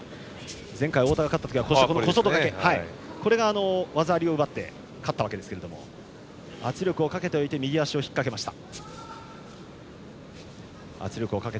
前回、太田が勝った時は今ので技ありを奪って勝ったわけですけれども圧力をかけておいて右足を引っ掛けました。